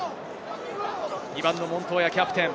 ２番のモントーヤはキャプテン。